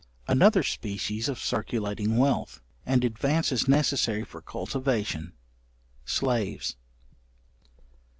Another species of circulating wealth, and advances necessary for cultivation, slaves.